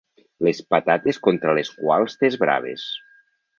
Les patates contra les quals t'esbraves.